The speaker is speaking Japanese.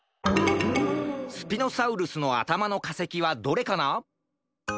スピノサウルスのあたまのかせきはどれかな？